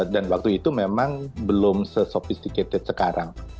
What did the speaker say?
dan waktu itu memang belum sesofistikasi sekarang